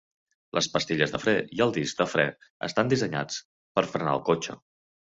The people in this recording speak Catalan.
Les pastilles de fre i el disc de fre estan dissenyats per frenar el cotxe.